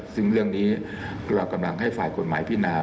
ซึ่งเรื่องนี้เรากำลังให้ฝ่ายกฎหมายพินา